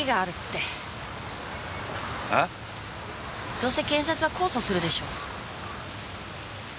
どうせ検察は控訴するでしょ。